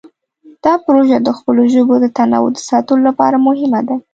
دا پروژه د خپلو ژبو د تنوع د ساتلو لپاره مهمه ده.